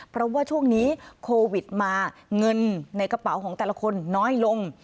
เพราะว่าช่วงนี้โควิดมาเงินในกระเป๋าของแต่ละคนน้อยลง